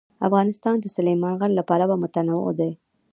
افغانستان د سلیمان غر له پلوه متنوع دی.